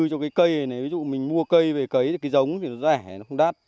với cây này ví dụ mình mua cây về cấy thì cái giống thì nó rẻ nó không đắt